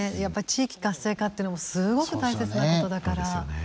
地域活性化っていうのもすごく大切なことだから。